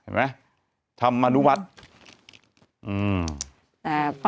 เห็นไหมธรรมนุวัตร